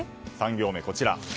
３行目、こちら。